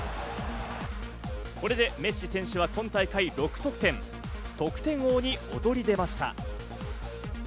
これでメッシ選手は今大会６得点、得点王に躍り出ました。